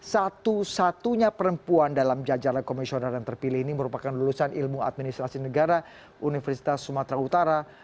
satu satunya perempuan dalam jajaran komisioner yang terpilih ini merupakan lulusan ilmu administrasi negara universitas sumatera utara